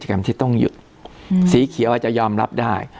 ใช่ค่ะใจ